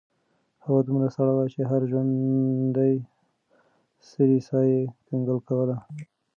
هوا دومره سړه وه چې د هر ژوندي سري ساه یې کنګل کوله.